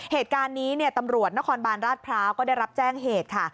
เหตุการณ์นี้เนี่ยตำรวจนครบานราชพร้าวก็ได้รับแจ้งเหตุค่ะ